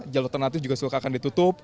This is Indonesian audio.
jalan alternatif juga sudah akan ditutup